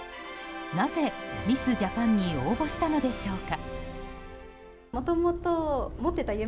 なぜミス・ジャパンに応募したのでしょうか。